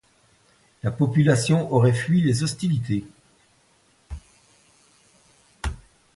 La population aurait fui les hostilités.